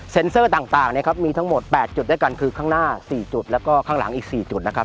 เซอร์ต่างนะครับมีทั้งหมด๘จุดด้วยกันคือข้างหน้า๔จุดแล้วก็ข้างหลังอีก๔จุดนะครับ